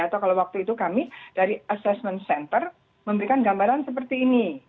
atau kalau waktu itu kami dari assessment center memberikan gambaran seperti ini